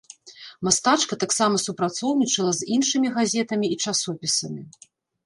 Мастачка таксама супрацоўнічала з іншымі газетамі і часопісамі.